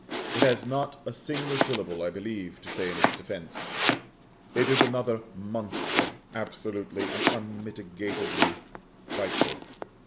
It has not a single syllable, I believe, to say in its defence. It is another monster, absolutely and unmitigatedly frightful.